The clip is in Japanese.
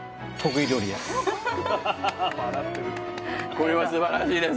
これはすばらしいです